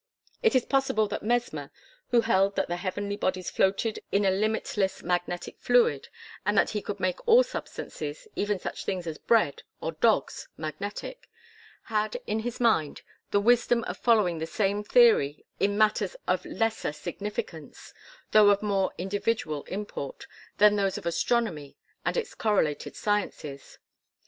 It is possible that Mesmer who held that the heavenly bodies floated in a limitless magnetic fluid and that he could make all substances, even such things as bread or dogs magnetic had in his mind the wisdom of following the same theory in matters of lesser significance, though of more individual import, than those of astronomy and its correlated sciences.